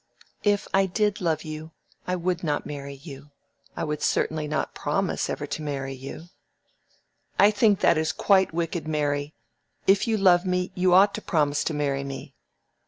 "If I did love you, I would not marry you: I would certainly not promise ever to marry you." "I think that is quite wicked, Mary. If you love me, you ought to promise to marry me."